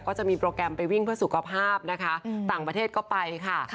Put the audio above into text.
ก็จะมีโปรแกรมไปวิ่งเพื่อสุขภาพนะคะต่างประเทศก็ไปค่ะ